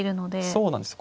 そうなんです。